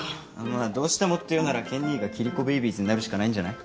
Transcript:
まあどうしてもっていうなら健兄がキリコベイビーズになるしかないんじゃない？